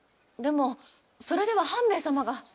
でもそれでは半兵衛様が。